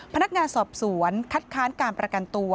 พนักงานสอบสวนคัดค้านการประกันตัว